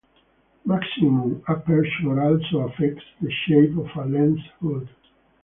Maximum aperture also affects the shape of a lens hood.